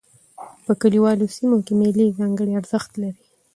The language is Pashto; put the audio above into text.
په کلیوالو سیمو کښي مېلې ځانګړی ارزښت لري.